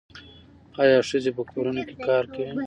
آیا ښځې په کورونو کې کار کوي؟